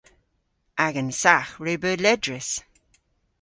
Agan sagh re beu ledrys.